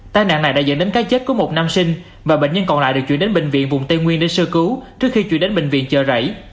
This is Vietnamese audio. tai nạn này đã dẫn đến cái chết của một nam sinh và bệnh nhân còn lại được chuyển đến bệnh viện vùng tây nguyên để sơ cứu trước khi chuyển đến bệnh viện chợ rẫy